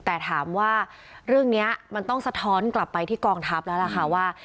แต่ถามว่าเรื่องนี้มันต้องสะท้อนกลับไปที่กองทัพแล้วล่ะค่ะว่า